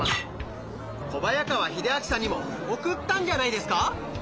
小早川秀秋さんにも送ったんじゃないですか？